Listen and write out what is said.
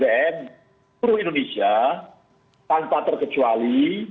seluruh indonesia tanpa terkecuali